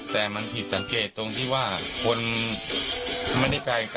แต่มันผิดสังเกตตรงที่ว่าคนไม่ได้ไปกัน